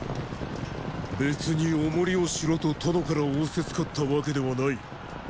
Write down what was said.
別にお守りをしろと殿から仰せつかったわけではない。